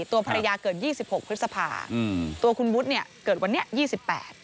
ตัวภรรยาเกิดยี่สิบหกพฤษภาอืมตัวคุณวุฒิเนี่ยเกิดวันนี้ยี่สิบแปด